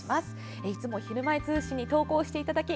いつも「ひるまえ通信」に投稿していただき